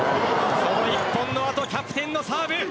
その１本の後キャプテンのサーブ。